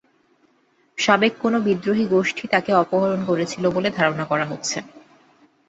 সাবেক কোনো বিদ্রোহী গোষ্ঠী তাঁকে অপহরণ করেছিল বলে ধারণা করা হচ্ছে।